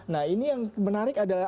nah ini yang menarik adalah